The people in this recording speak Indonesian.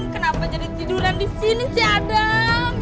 kenapa jadi tiduran di sini cik adam